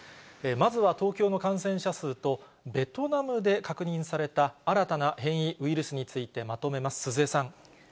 まずは東京の感染者数と、ベトナムで確認された新たな変異ウイルスについてまとめます。